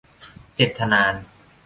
เจ็ดทะนาน